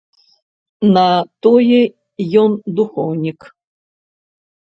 На тое ён духоўнік.